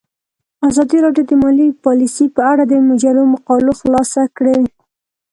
ازادي راډیو د مالي پالیسي په اړه د مجلو مقالو خلاصه کړې.